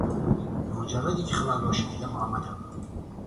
به مجردی که خبر را شنیدم آمدم.